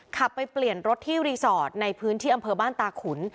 ขับไปเปลี่ยนรถที่รีสอร์ทในพื้นที่อำเภอบ้านตาขุน